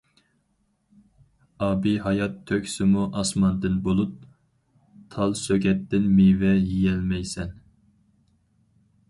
ئابىھايات تۆكسىمۇ ئاسماندىن بۇلۇت، تال سۆگەتتىن مېۋە يېيەلمەيسەن.